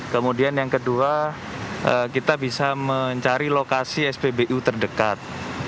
kemudian yang kedua kita bisa mencari lokasi spbu terdekat